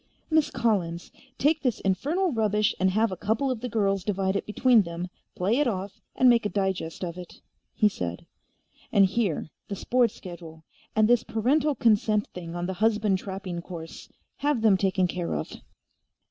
"Miss Collins, take this infernal rubbish and have a couple of the girls divide it between them, play it off, and make a digest of it," he said. "And here. The sports schedule, and this parental consent thing on the husband trapping course. Have them taken care of."